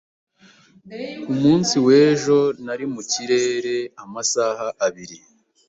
Ku munsi w'ejo nari mu kirere amasaha abiri.